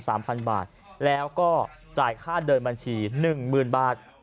สามพันบาทแล้วก็จ่ายค่าเดินบัญชีหนึ่งหมื่นบาท